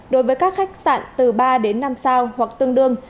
đối với các khách sạn từ ba đến năm sao hoặc tương đương